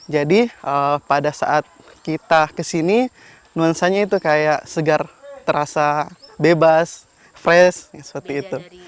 jadi pada saat kita kesini nuansanya itu kayak segar terasa bebas fresh seperti itu